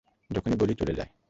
যখনই বলি চলে যায়।